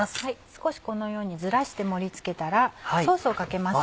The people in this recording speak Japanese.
少しこのようにずらして盛り付けたらソースをかけますが。